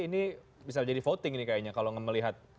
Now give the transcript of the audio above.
ini bisa jadi voting nih kayaknya kalau melihat konstelasi